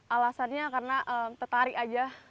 alasannya karena tertarik aja